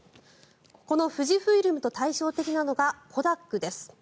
この富士フイルムと対照的なのがコダックです。